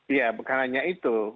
iya bukan hanya itu